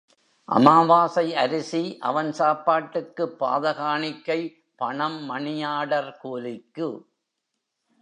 அமாவாசை அரிசி அவன் சாப்பாட்டுக்குப் பாத காணிக்கை பணம் மணியார்டர் கூலிக்கு.